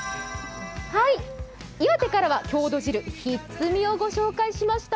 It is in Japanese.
岩手からは郷土汁、ひっつみをご紹介しました。